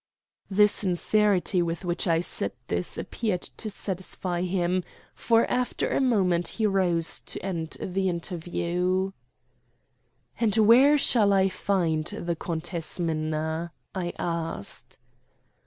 The sincerity with which I said this appeared to satisfy him; for after a moment he rose to end the interview. "And where shall I find the Countess Minna?" I asked.